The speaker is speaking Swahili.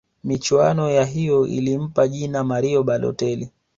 michuano ya hiyo ilimpa jina mario balotel